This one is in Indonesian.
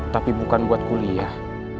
tapi bukan buat kuliah